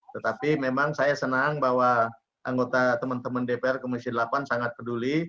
tetapi memang saya senang bahwa anggota teman teman dpr komisi delapan sangat peduli